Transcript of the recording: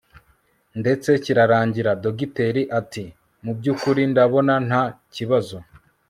ndetse kirarangira Dogiteri ati mu byukuri ndabona nta kibazo